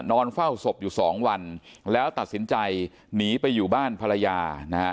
นอนเฝ้าศพอยู่สองวันแล้วตัดสินใจหนีไปอยู่บ้านภรรยานะฮะ